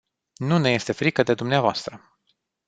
Nu ne este frică de dvs.